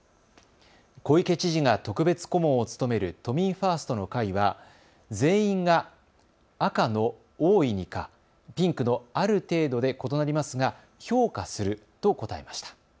小池知事が特別顧問を務める都民ファーストの会は全員が赤の大いにかピンクのある程度で異なりますが評価すると答えました。